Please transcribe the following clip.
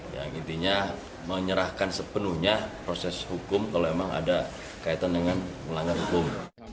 yang intinya menyerahkan sepenuhnya proses hukum kalau memang ada kaitan dengan melanggar hukum